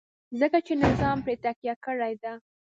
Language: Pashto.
ځکه چې نظام پرې تکیه کړې ده.